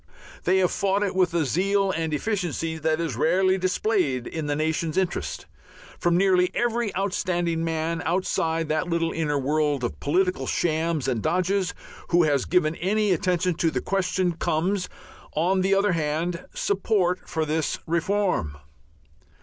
They have fought it with a zeal and efficiency that is rarely displayed in the nation's interest. From nearly every outstanding man outside that little inner world of political shams and dodges, who has given any attention to the question, comes, on the other hand, support for this reform.